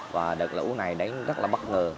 và đợt lũ này đến rất là bất ngờ